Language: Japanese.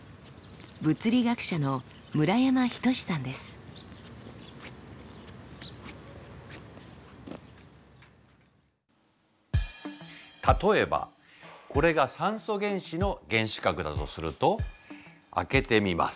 物理学者の例えばこれが酸素原子の原子核だとすると開けてみます。